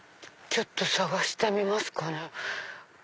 ちょっと探してみますかね。